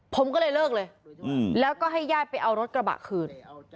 ผมก็เลยเลิกเลยแล้วก็ให้ญาติไปเอารถกระบะคืน